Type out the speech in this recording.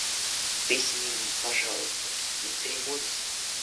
Ты с ним, пожалуйста, не церемонься.